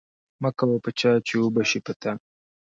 مه کوه په چا، چي و به سي په تا.